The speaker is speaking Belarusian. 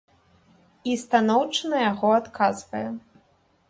І станоўча на яго адказвае.